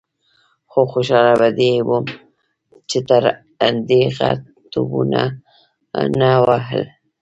خو خوشاله په دې وم چې تر دې غټ توپونه نه ول.